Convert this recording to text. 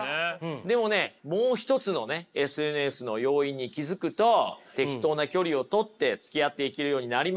でもねもう一つのねＳＮＳの要因に気付くと適当な距離をとってつきあっていけるようになります。